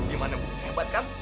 gimana bu hebat kan